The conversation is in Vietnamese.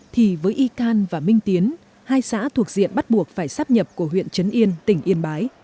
thì với y can và minh tiến hai xã thuộc diện bắt buộc phải sắp nhập của huyện trấn yên tỉnh yên bái